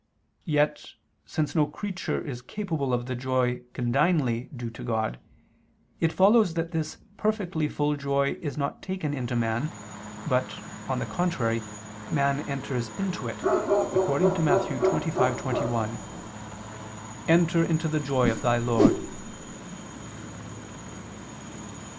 Yet, since no creature is capable of the joy condignly due to God, it follows that this perfectly full joy is not taken into man, but, on the contrary, man enters into it, according to Matt. 25:21: "Enter into the joy of thy Lord."